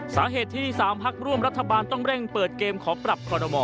สาเหตุที่๓พักร่วมรัฐบาลต้องเร่งเปิดเกมขอปรับคอรมอ